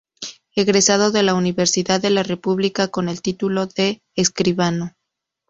Egresado de la Universidad de la República con el título de escribano.